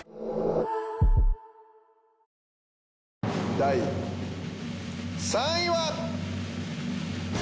第３位は。